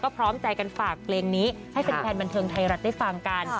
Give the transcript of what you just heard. พร้อมใจกันฝากเพลงนี้ให้แฟนบันเทิงไทยรัฐได้ฟังกัน